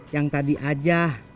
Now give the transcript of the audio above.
yang tadi aja